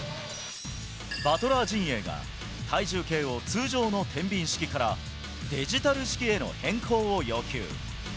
バトラー陣営が、体重計を通常のてんびん式から、デジタル式への変更を要求。